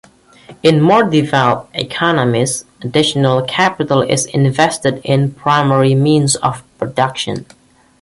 In more developed economies additional capital is invested in primary means of production.